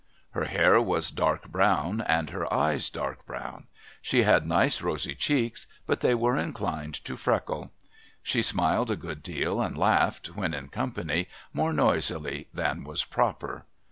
Her hair was dark brown and her eyes dark brown. She had nice rosy cheeks, but they were inclined to freckle. She smiled a good deal and laughed, when in company, more noisily than was proper.